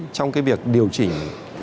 trong cái việc điều chỉnh